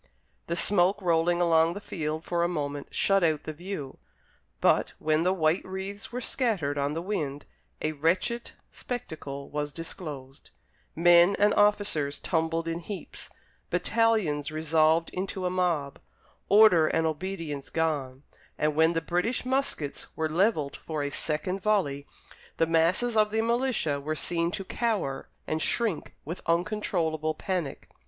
The smoke rolling along the field for a moment shut out the view, but, when the white wreaths were scattered on the wind, a wretched spectacle was disclosed: men and officers tumbled in heaps, battalions resolved into a mob, order and obedience gone; and, when the British muskets were levelled for a second volley, the masses of the militia were seen to cower and shrink with uncontrollable panic.